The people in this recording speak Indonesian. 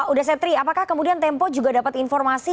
udah setri apakah kemudian tempo juga dapat informasi